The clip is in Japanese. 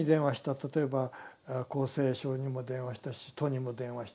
例えば厚生省にも電話したし都にも電話したし。